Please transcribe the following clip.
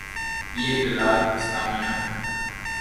یہ بلاد اسلامیہ ہیں۔